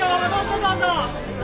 どうぞ。